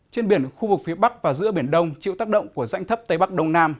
trên biển khu vực phía bắc và giữa biển đông chịu tác động của rãnh thấp tây bắc đông nam